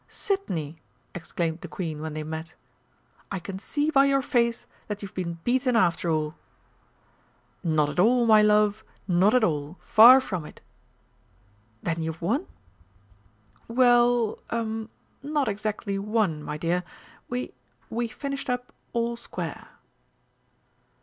"Sidney!" exclaimed the Queen when they met, "I can see by your face that you've been beaten after all!" "Not at all, my love, not at all. Far from it!" "Then you've won?" "Well er not exactly won, my dear. We we finished up all square."